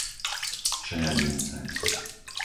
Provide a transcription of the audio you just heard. Čeľadince